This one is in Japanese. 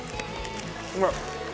うまい！